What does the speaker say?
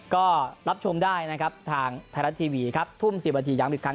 ก็รับชมได้นะครับทางไทยรัฐทีวี